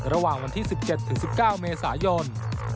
ระหว่างวันที่๑๗๑๙เมษายน